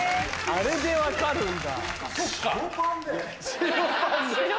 あれで分かるんだ。